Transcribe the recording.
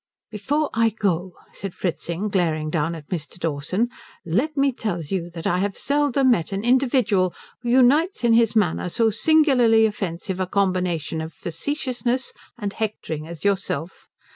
"Before I go," said Fritzing, glaring down at Mr. Dawson, "let me tell you that I have seldom met an individual who unites in his manner so singularly offensive a combination of facetiousness and hectoring as yourself.